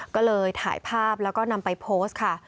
ก็เลยถ่ายภาพแล้วก็นำไปโพสต์ค่ะ